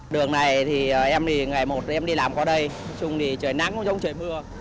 đường này thì em đi ngày một thì em đi làm qua đây chung thì trời nắng cũng giống trời mưa